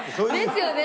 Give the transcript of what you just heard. ですよね。